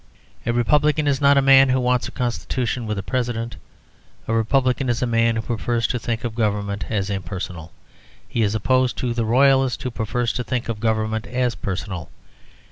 A Republican is not a man who wants a Constitution with a President. A Republican is a man who prefers to think of Government as impersonal; he is opposed to the Royalist, who prefers to think of Government as personal.